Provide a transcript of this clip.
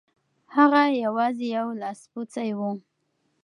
هغه یوازې یو لاسپوڅی و.